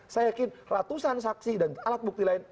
saya yakin ratusan saksi dan alat bukti lain